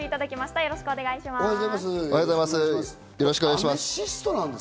よろしくお願いします。